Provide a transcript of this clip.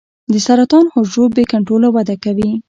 د سرطان حجرو بې کنټروله وده کوي.